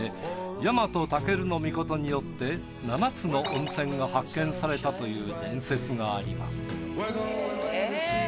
日本武尊によって７つの温泉が発見されたという伝説があります。